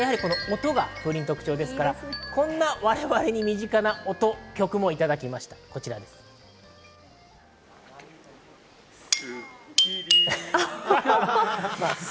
音が風鈴は特徴ですから、こんな我々に身近な音、曲もいただきました、こちらです。